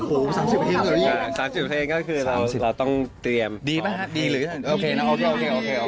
๓๐เพลงก็คือเราต้องเตรียมดีหรือดีนะโอเค